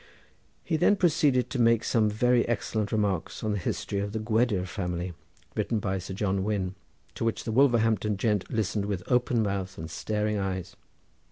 He then proceeded to make some very excellent remarks on the history of the Gwedir family, written by Sir John Wynn; to which the Wolverhampton gent listened with open mouth and staring eyes.